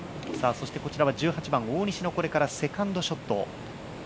そしてこちらは１８番、大西のこれからセカンドショット。